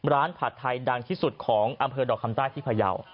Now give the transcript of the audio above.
ผัดไทยดังที่สุดของอำเภอดอกคำใต้ที่พยาว